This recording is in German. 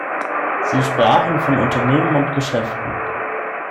Sie sprachen von Unternehmen und Geschäften.